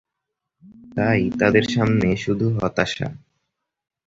তাই তাদের সামনে শুধু হতাশা।